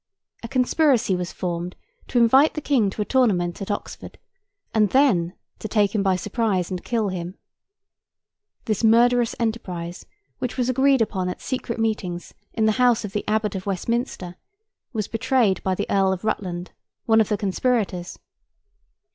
A conspiracy was formed to invite the King to a tournament at Oxford, and then to take him by surprise and kill him. This murderous enterprise, which was agreed upon at secret meetings in the house of the Abbot of Westminster, was betrayed by the Earl of Rutland—one of the conspirators.